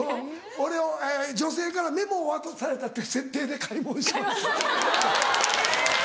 俺女性からメモ渡されたって設定で買い物します。